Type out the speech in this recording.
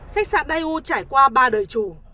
khách sạn dai u trải qua ba đời chủ